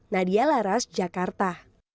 nadia laras jakarta